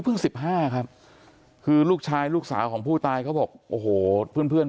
เพิ่ง๑๕ครับคือลูกชายลูกสาวของผู้ตายเขาบอกโอ้โหเพื่อน